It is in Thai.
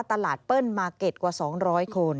ตลาดเปิ้ลมาร์เก็ตกว่า๒๐๐คน